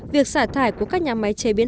việc xả thải của các nhà máy chế biến